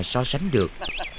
làm sao mà so sánh được